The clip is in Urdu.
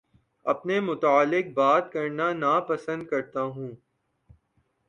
اپنے متعلق بات کرنا نا پسند کرتا ہوں